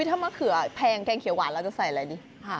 ถ้ามะเขือแพงแกงเขียวหวานเราจะใส่อะไรดี